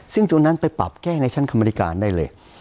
ซึ่งตัวนั้นไปปรับแก้ในชั้นกรรมธิการได้เลย